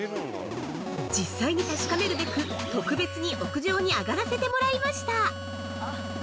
◆実際に確かめるべく、特別に屋上に上がらせてもらいました。